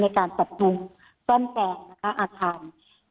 การปรับปรุงซ่อมแซมนะคะอาคาร